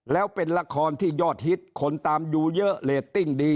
แล้วเป็นละครที่ยอดฮิตคนตามดูเยอะเรตติ้งดี